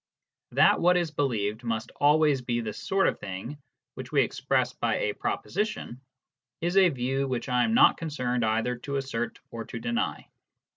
That what is believed must always be the sort of thing which we express by a proposition, is a view which I am not concerned either to assert or to deny.